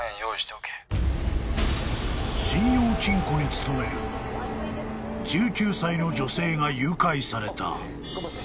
［信用金庫に勤める１９歳の女性が誘拐された］頑張って。